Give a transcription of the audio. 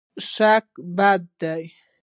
شک بد دی.